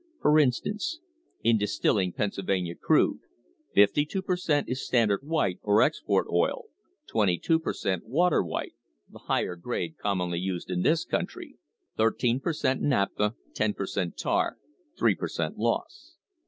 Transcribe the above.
For instance, in distilling Pennsylvania crude, fifty two per cent, is standard white or export oil, twenty two per cent, water white the higher grade com monly used in this country thirteen per cent, naphtha, ten per cent, tar, three per cent. loss.